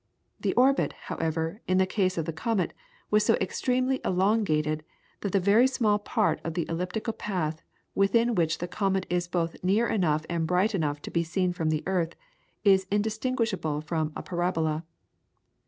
The orbit, however, in the case of the comet, is so extremely elongated that the very small part of the elliptic path within which the comet is both near enough and bright enough to be seen from the earth, is indistinguishable from a parabola.